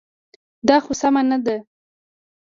دا خو سمه نه ده.